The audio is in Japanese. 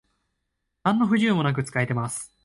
なんの不自由もなく使えてます